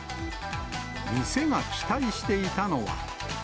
店が期待していたのは。